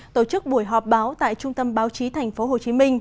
tổ chức buổi họp báo tại trung tâm báo chí tp hcm